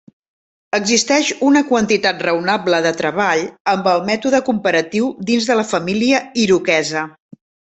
Existeix una quantitat raonable de treball amb el mètode comparatiu dins de la família iroquesa.